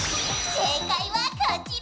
正解はこちら。